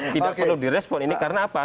tidak perlu direspon ini karena apa